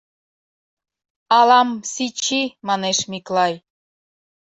— Ала, МСичи, — манеш Миклай.